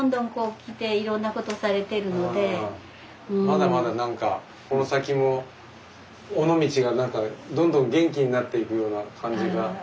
まだまだなんかこの先も尾道がなんかどんどん元気になっていくような感じがしていいなと思って。